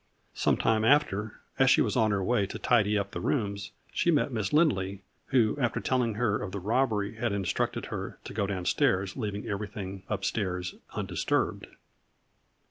Some time after, #s she was on her way to tidy up the rooms, she met Miss Lindley, who, after telling her of the robbery, had instructed her to go down stairs, leaving everything up st&irs undisturbed.